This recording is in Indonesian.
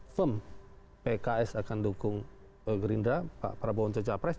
firm pks akan dukung gerindra pak prabowo untuk capres